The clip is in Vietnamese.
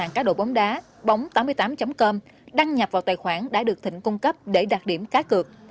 trang mạng cá độ bóng đá bóng tám mươi tám com đăng nhập vào tài khoản đã được thịnh cung cấp để đạt điểm cá cược